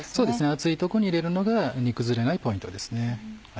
熱いとこに入れるのが煮崩れないポイントですね。